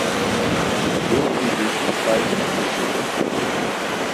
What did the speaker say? Wilt u dus de feiten onderzoeken?